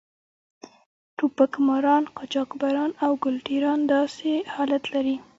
ټوپک ماران، قاچاقبران او ګل ټېران داسې حالت لري.